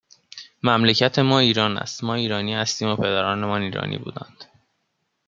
مملکت ما ایران است، ما ایرانی هستیم و پدرانمان ایرانی بودهاند